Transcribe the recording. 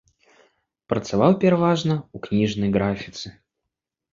Працаваў пераважна ў кніжнай графіцы.